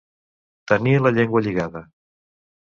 Tenir la llengua lligada.